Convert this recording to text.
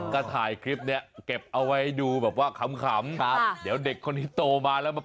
ก็ถ่ายคลิปเนี้ยเก็บเอาไว้ดูแบบว่าขำครับเดี๋ยวเด็กคนนี้โตมาแล้วมา